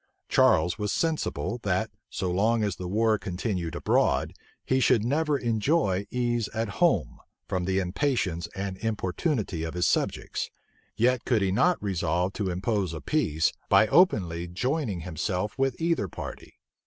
Charles was sensible, that, so long as the war continued abroad, he should never enjoy ease at home, from the impatience and importunity of his subjects; yet could he not resolve to impose a peace by openly joining himself with either party.